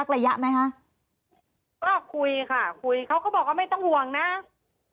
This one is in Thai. ตอนที่จะไปอยู่โรงเรียนจบมไหนคะ